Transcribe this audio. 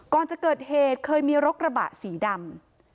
ก่อนจะเกิดเหตุเคยมีรถกระบะสีดำ